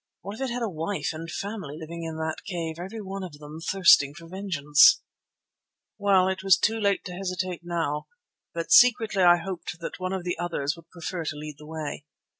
What if it had a wife and family living in that cave, every one of them thirsting for vengeance? Well, it was too late to hesitate now, but secretly I hoped that one of the others would prefer to lead the way.